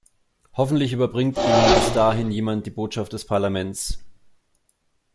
Hoffentlich überbringt ihnen bis dahin jemand die Botschaft des Parlaments.